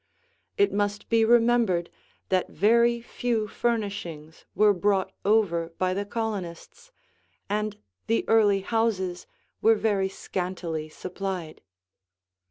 It must be remembered that very few furnishings were brought over by the colonists, and the early houses were very scantily supplied.